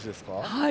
はい。